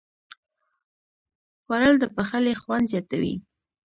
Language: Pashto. خوړل د پخلي خوند زیاتوي